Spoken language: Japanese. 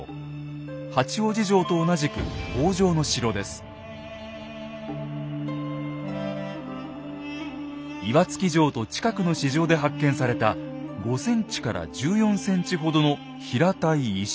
八王子城と同じく岩槻城と近くの支城で発見された５ｃｍから１４ｃｍほどの平たい石。